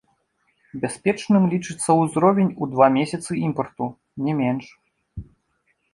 Бяспечным лічыцца ўзровень у два месяцы імпарту, не менш.